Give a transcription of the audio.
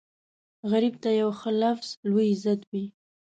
غریب ته یو ښه لفظ لوی عزت وي